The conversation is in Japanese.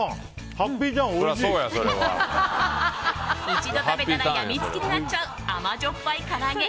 一度食べたら病みつきになっちゃう甘じょっぱいから揚げ。